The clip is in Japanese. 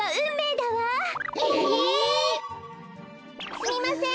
すみません